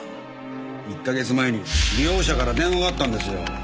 １か月前に利用者から電話があったんですよ。